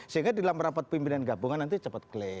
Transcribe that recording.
sehingga di dalam rapat pimpinan gabungan nanti cepat clear